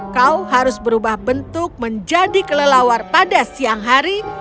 kau harus berubah bentuk menjadi kelelawar pada siang hari